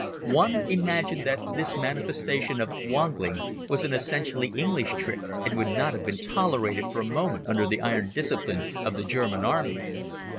One imagined that this manifestation of "wongling" was an essentially English trick, and would not have been tolerated for a moment under the iron discipline of the German Army.